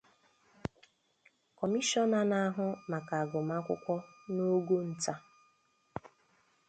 Kọmishọna na-ahụ maka agụmakwụkwọ n'ogo ntà